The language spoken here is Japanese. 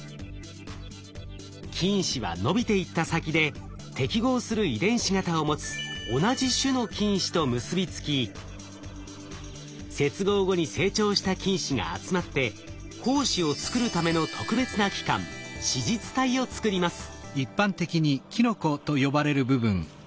菌糸は伸びていった先で適合する遺伝子型を持つ同じ種の菌糸と結びつき接合後に成長した菌糸が集まって胞子を作るための特別な器官子実体を作ります。